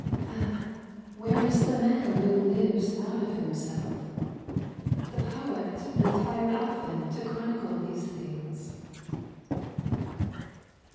Ah, where is the man who lives out of himself? — ^the poet inspired often to chronicle these things